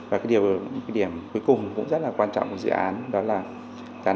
và cái điều điểm cuối cùng cũng rất là quan trọng của dự án đó là